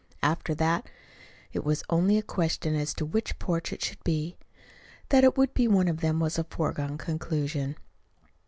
After that it was only a question as to which porch it should be. That it would be one of them was a foregone conclusion.